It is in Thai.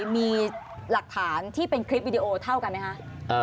มีหลักฐานที่เป็นคลิปวิดีโอเท่ากันไหมคะ